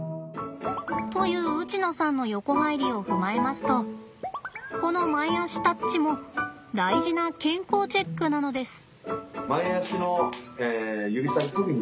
というウチノさんの横入りを踏まえますとこの前足タッチも大事な健康チェックなのです。